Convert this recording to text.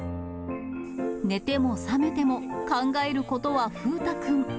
寝ても覚めても、考えることは風太くん。